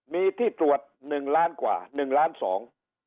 มีที่ตรวจ๑ล้านกว่า๑ล้าน๒